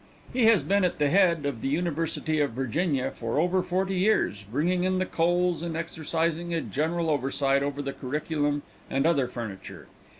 He has been at the head of the University of Virginia for over forty years, bringing in the coals and exercising a general oversight over the curriculum and other furniture.